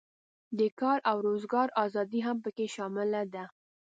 د کار او روزګار آزادي هم پکې شامله ده.